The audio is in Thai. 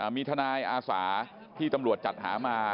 มีทนายอาสาที่ตำรวจจัดหามา